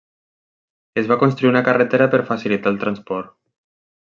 Es va construir una carretera per facilitar el transport.